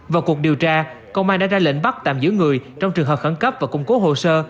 vào cuộc điều tra công an đã ra lệnh bắt tạm giữ người trong trường hợp khẩn cấp và củng cố hồ sơ